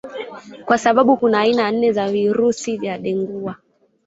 Kwa sababu kuna aina nne za virusi vya Dengua